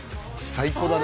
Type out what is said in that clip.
最高だね！